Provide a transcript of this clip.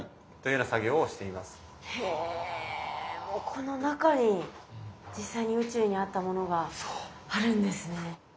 ここの中に実際に宇宙にあったものがあるんですね。